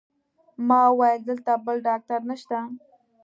ما وویل: دلته بل ډاکټر نشته؟